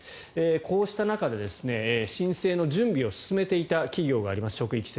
こうした中で、申請の準備を進めていた企業があります。